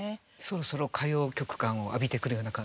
そろそろ歌謡曲感を帯びてくるような。